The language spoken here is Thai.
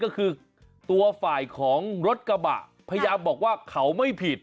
ก็คือตัวฝ่ายของรถกระบะพยายามบอกว่าเขาไม่ผิด